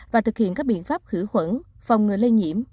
và thực hiện các biện pháp khử khuẩn phòng ngừa lây nhiễm